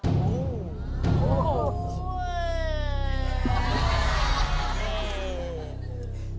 คำถาม